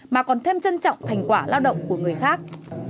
mà còn thêm trân trọng thành quả lao động của người khác